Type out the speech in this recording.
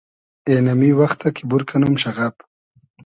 اېنئمی وئختۂ کی بور کئنوم شئغئب